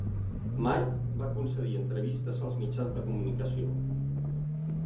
Mai va concedir entrevistes als mitjans de comunicació.